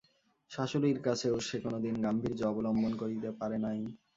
শাশুড়ির কাছেও সে কোনোদিন গাম্ভীর্য অবলম্বন করিতে পারে নাই।